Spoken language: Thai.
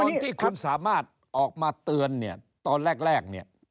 ตอนที่คุณสามารถออกมาเตือนตอนแรก